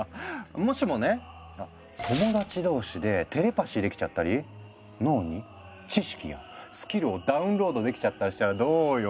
もしもね友達同士でテレパシーできちゃったり脳に知識やスキルをダウンロードできちゃったりしたらどうよ？